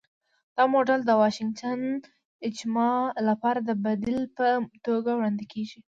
دا موډل د 'واشنګټن اجماع' لپاره د بدیل په توګه وړاندې کېږي.